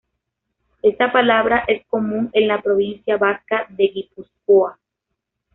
Esta palabra es común en la provincia vasca de Guipúzcoa.